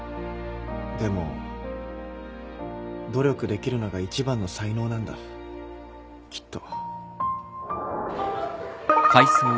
でも努力できるのが一番の才能なんだきっと。